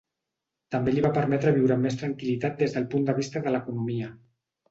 També li va permetre viure amb més tranquil·litat des del punt de vista de l'economia.